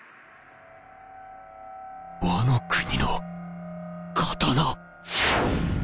ワノ国の刀。